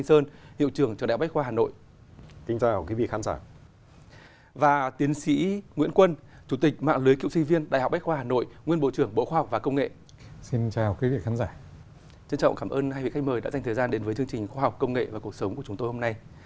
xin chào và cảm ơn hai vị khách mời đã dành thời gian đến với chương trình khoa học công nghệ và cuộc sống của chúng tôi hôm nay